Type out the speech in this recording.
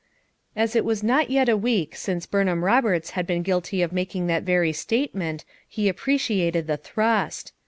As it was not yet a week since Burnham Roberts had been guilty of making that very statement he appreciated the thrust.